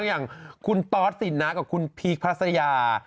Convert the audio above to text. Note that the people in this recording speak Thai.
อย่างคุณตอสสินนะกับคุณพีคพัสยา